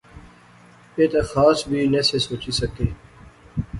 ایہہ تہ خاص وی نہسے سوچی سکے